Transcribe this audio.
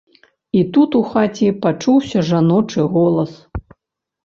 І тут у хаце пачуўся жаночы голас.